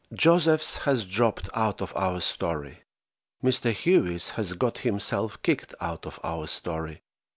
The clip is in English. JOSEPHS has dropped out of our story. Mr. Hawes has got himself kicked out of our story.